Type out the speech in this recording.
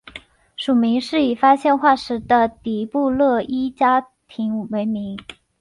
属名是以发现化石的迪布勒伊家庭为名。